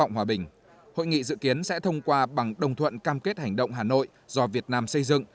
hội nghị dự kiến sẽ thông qua bằng đồng thuận cam kết hành động hà nội do việt nam xây dựng